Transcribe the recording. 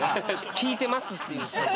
聞いてますっていう。